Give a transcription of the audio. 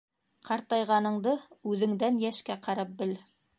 Ҡартайғаныңды үҙеңдән йәшкә ҡарап бел.